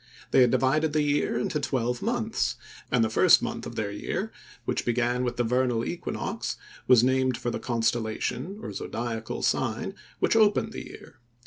They had divided the year into twelve months, and the first month of their year—which began with the vernal equinox—was named for the constellation, or zodiacal sign, which opened the year.